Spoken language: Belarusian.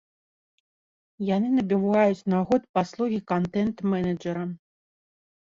Яны набываюць на год паслугі кантэнт-менеджара.